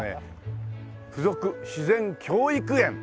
附属自然教育園。